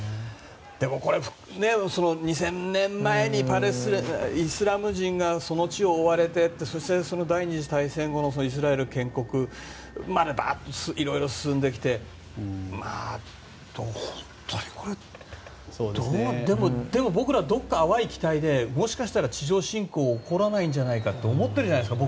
でもこれ、２０００年前にイスラム人がその地を追われて第２次大戦後のイスラエル建国まで色々進んできて本当にこれ、どうでも、僕らは淡い期待でもしかしたら地上侵攻起こらないんじゃないかって思ってるじゃないですか。